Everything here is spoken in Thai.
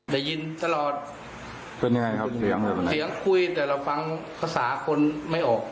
ได้ยินตลอดเป็นยังไงครับเสียงอะไรประมาณเสียงคุยแต่เราฟังภาษาคนไม่ออก